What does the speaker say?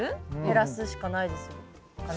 減らすしかないですかね？